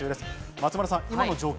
松丸さん、今の投票状況